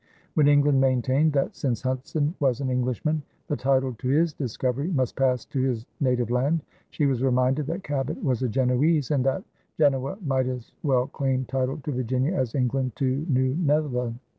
When England maintained that, since Hudson was an Englishman, the title to his discovery must pass to his native land, she was reminded that Cabot was a Genoese, and that Genoa might as well claim title to Virginia as England to New Netherland.